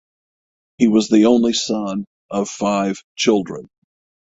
He was the only son of five children.